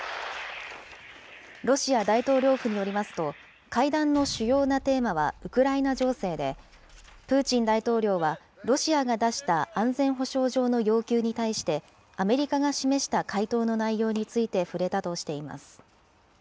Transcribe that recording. ロシア大統領府によりますと、会談の主要なテーマはウクライナ情勢で、プーチン大統領は、ロシアが出した安全保障上の要求に対して、アメリカが示した回答の内容について触れたとしています。